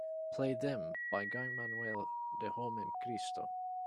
play them by Guy-manuel De Homem-christo